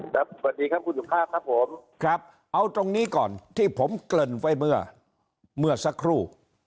สวัสดีครับครับเอาตรงนี้ก่อนที่ผมเกลิ่นไว้เมื่อเมื่อสักครู่